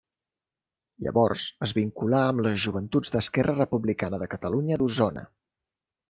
Llavors es vinculà amb les Joventuts d'Esquerra Republicana de Catalunya d'Osona.